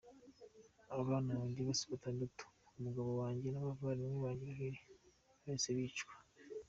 Abana banjye bose batandatu, umugabo wanjye n’abavandimwe banjye babiri bahise bicwa.